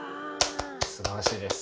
すばらしいです。